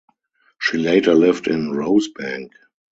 She later lived in Rosebank.